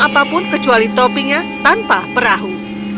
tidak memegang apapun kecuali topinya tanpa perahu